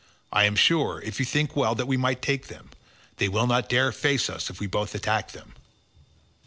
I am sure, if you think well, that we might take them; they will not dare face us if we both attack them."